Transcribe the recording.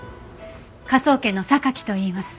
科捜研の榊といいます。